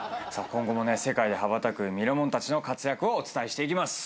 今後も世界で羽ばたくミラモンたちの活躍をお伝えしていきます。